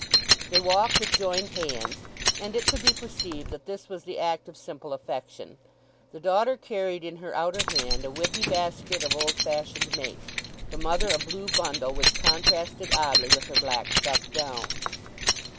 They walked with joined hands, and it could be perceived that this was the act of simple affection. The daughter carried in her outer hand a withy basket of old fashioned make; the mother a blue bundle, which contrasted oddly with her black stuff gown.